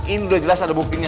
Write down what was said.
ini udah jelas ada buktinya